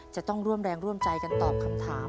จะต้องร่วมแรงร่วมใจกันตอบคำถาม